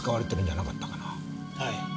はい。